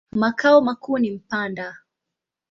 Makao makuu ni Mpanda.